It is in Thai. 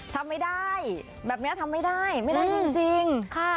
ทำไม่ได้แบบเนี้ยทำไม่ได้ไม่ได้จริงจริงค่ะ